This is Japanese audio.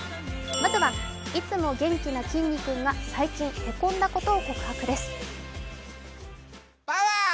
まずは、いつも元気なきんに君が最近、へこんだことを告白です。